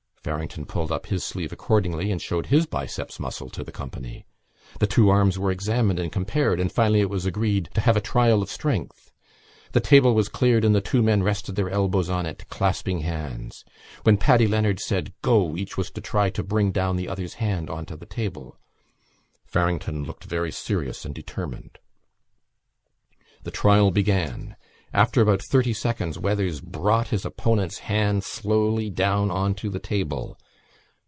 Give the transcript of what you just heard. Farrington pulled up his sleeve accordingly and showed his biceps muscle to the company. The two arms were examined and compared and finally it was agreed to have a trial of strength. The table was cleared and the two men rested their elbows on it, clasping hands. When Paddy Leonard said "Go!" each was to try to bring down the other's hand on to the table. Farrington looked very serious and determined. The trial began. After about thirty seconds Weathers brought his opponent's hand slowly down on to the table.